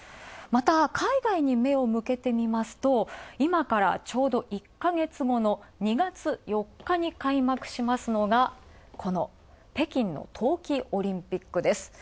また海外に目をむけてみますと今からちょうど１か月後の２月４日に開幕しますのが、この北京の冬季オリンピックです。